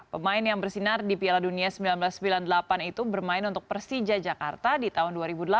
pemain yang bersinar di piala dunia seribu sembilan ratus sembilan puluh delapan itu bermain untuk persija jakarta di tahun dua ribu delapan